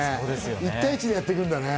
１対１でやってくんだね。